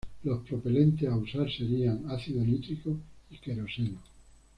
Los propelentes a usar serían ácido nítrico y queroseno.